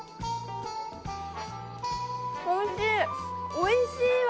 おいしいわ！